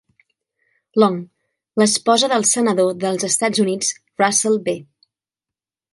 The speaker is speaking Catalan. Long, l'esposa del senador dels Estats Units Russell B.